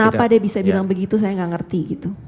kenapa dia bisa bilang begitu saya nggak ngerti gitu